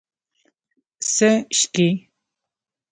څه څښې؟